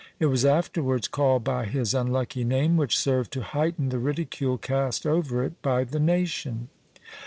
It was afterwards called by his unlucky name, which served to heighten the ridicule cast over it by the nation.